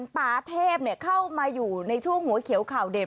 ปาเทพเข้ามาอยู่ในช่วงหัวเขียวข่าวเด็ด